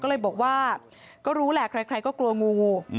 ก็เลยบอกว่าก็รู้แหละใครก็กลัวงู